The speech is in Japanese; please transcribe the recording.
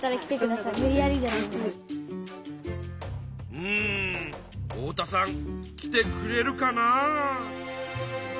うん太田さん来てくれるかな？